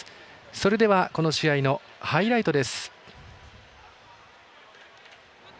それでは、この試合のハイライトです。